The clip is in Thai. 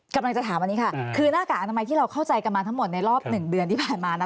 กำลังจะถามอันนี้ค่ะคือหน้ากากอนามัยที่เราเข้าใจกันมาทั้งหมดในรอบหนึ่งเดือนที่ผ่านมานะ